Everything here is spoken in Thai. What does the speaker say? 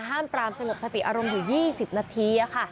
ห้ามปรามสงบสติอารมณ์อยู่๒๐นาทีค่ะ